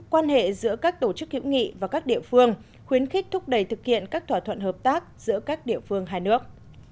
quan hệ giữa các tổ chức hữu nghị và các địa phương khuyến khích thúc đẩy thực hiện các thỏa thuận hợp tác giữa các địa phương hai nước